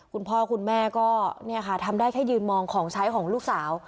คุณพ่อคุณแม่ก็เนี่ยค่ะทำได้แค่ยืนมองของใช้ของลูกสาว